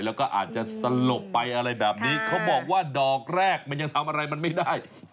แล้วก็อาจจะสลบไปอะไรแบบนี้เขาบอกว่าดอกแรกมันยังทำอะไรมันไม่ได้